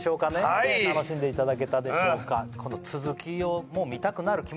はい楽しんでいただけたでしょうか？